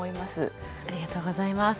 ありがとうございます。